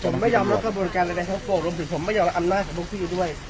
ผมไม่ยอมรับกระบวนการใดทั้งปวงรวมถึงผมไม่ยอมรับอำนาจของพวกพี่ด้วย